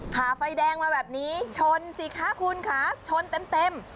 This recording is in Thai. ผ่าไฟแดงมาแบบนี้ชนสิคะคุณค่ะชนเต็ม